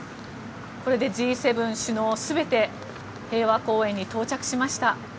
これでＧ７首脳全て平和公園に到着しました。